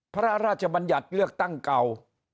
พระราชบัญญัติเลือกตั้งเก่า